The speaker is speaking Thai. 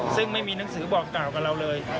ซึ่งไม่มีหนังสือบอกกล่าวกับเราเลย